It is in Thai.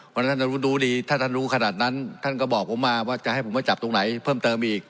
เพราะฉะนั้นท่านรู้ดีถ้าท่านรู้ขนาดนั้นท่านก็บอกผมมาว่าจะให้ผมมาจับตรงไหนเพิ่มเติมอีก